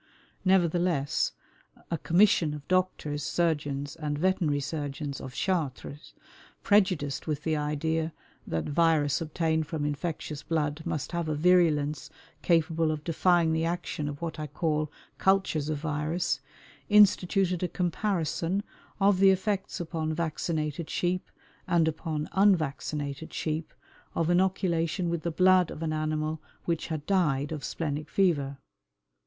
Nevertheless, a commission of doctors, surgeons, and veterinary surgeons, of Chartres, prejudiced with the idea that virus obtained from infectious blood must have a virulence capable of defying the action of what I call cultures of virus, instituted a comparison of the effects upon vaccinated sheep and upon unvaccinated sheep of inoculation with the blood of an animal which had died of splenic fever.